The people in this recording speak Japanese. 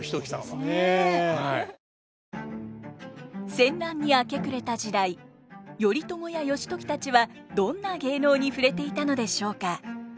戦乱に明け暮れた時代頼朝や義時たちはどんな芸能に触れていたのでしょうか。